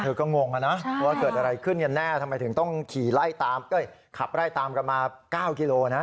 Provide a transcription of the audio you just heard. เธอก็งงอ่ะนะเพราะว่าเกิดอะไรขึ้นอย่างแน่ทำไมถึงต้องขับไล่ตามกันมา๙กิโลนะ